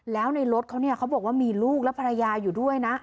แล้วในรถเขาเนี่ยเขาบอกว่ามีลูกและภรรยาอยู่ด้วยนะ